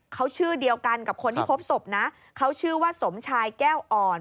เขาชื่อเดียวกันกับคนที่พบศพนะเขาชื่อว่าสมชายแก้วอ่อน